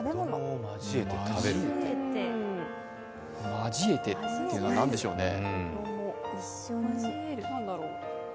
交えてっていうのは何でしょうね。